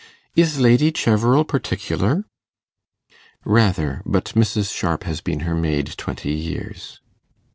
Is Lady Cheverel particular?' 'Rather. But Mrs. Sharp has been her maid twenty years.